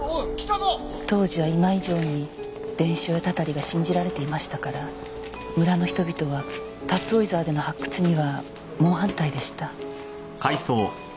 当時は今以上に伝承やたたりが信じられていましたから村の人々は竜追沢での発掘には猛反対でした。